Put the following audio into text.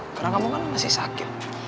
karena kamu kan masih sakit